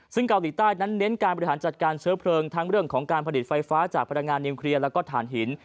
ซึ่งเกาหลีใต้นั้นเน้นการบริหารจัดการเชื้อเพลิงทั้งเรื่องของการผลิตไฟฟ้าจากพลังงานนิวเคลียร์แล้วก็ฐานหิน